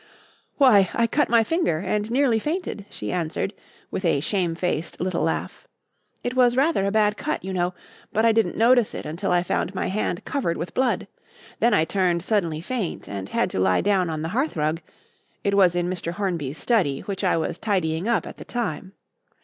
"Why, I cut my finger and nearly fainted," she answered, with a shamefaced little laugh. "It was rather a bad cut, you know, but I didn't notice it until I found my hand covered with blood. Then I turned suddenly faint, and had to lie down on the hearthrug it was in Mr. Hornby's study, which I was tidying up at the time.